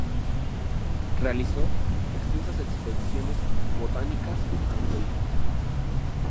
Realizó extensas expediciones botánicas a Hungría.